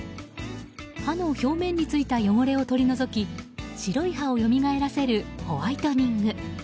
歯の表面についた汚れを取り除き白い歯をよみがえらせるホワイトニング。